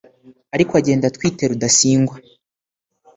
ariko agenda atwite Rudasingwa